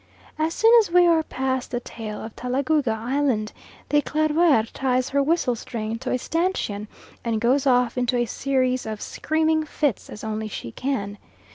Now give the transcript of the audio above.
As soon as we are past the tail of Talagouga Island, the Eclaireur ties her whistle string to a stanchion, and goes off into a series of screaming fits, as only she can.